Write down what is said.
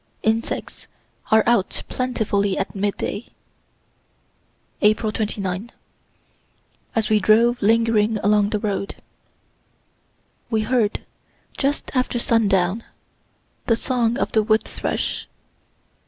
Insects are out plentifully at midday. April 29. As we drove lingering along the road we heard, just after sundown, the song of the wood thrush.